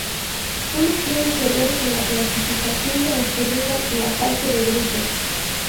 Uno tiene que ver con la clasificación transcurrida la fase de grupos.